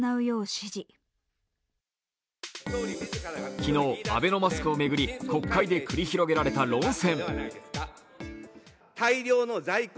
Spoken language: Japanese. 昨日、アベノマスクを巡り、国会で繰り広げられた論戦。